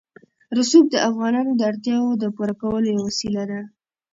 رسوب د افغانانو د اړتیاوو د پوره کولو یوه وسیله ده.